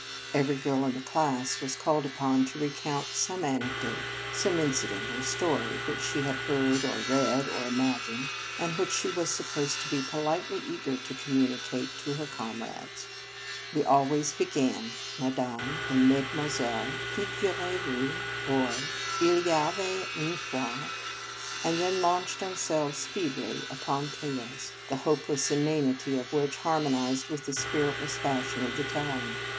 Every girl in the class was called upon to recount some anec dote, some incident or story which she had heard, or read, or imagined, and which she was supposed to be politely eager to communicate to her comrades. We always began " Ma dame et mesdemoiselles, figurez vous," or " il y avait une fois," and then launched ourselves feebly upon tales, the hopeless inanity of which harmonized with the spiritless fashion of the telling.